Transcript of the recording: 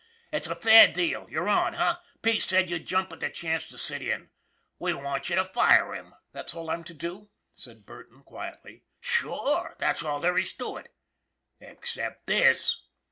It's a fair deal. You're on, eh? Pete said you'd jump at the chance to sit in. We want you to fire him." "That all I'm to do?" asked Burton, quietly. " Sure, that's all there is to it except this."